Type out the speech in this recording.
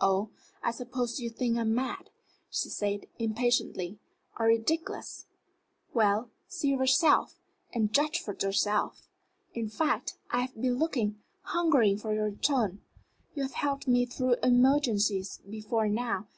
"Oh, I suppose you think I'm mad," she said, impatiently, "or ridiculous. Well, see for yourself, judge for yourself. In fact, I have been looking, hungering, for your return. You have helped me through emergencies before now.